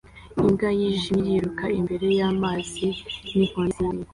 Imbwa yijimye yiruka imbere yamazi ninkoni zinkwi